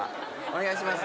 お願いします。